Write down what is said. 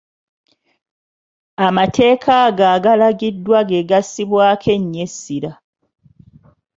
Amateeka ago agalagiddwa ge gassibwako ennyo essira.